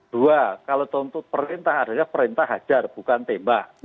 dua kalau tuntut perintah adalah perintah hajar bukan tembak